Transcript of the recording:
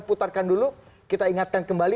putarkan dulu kita ingatkan kembali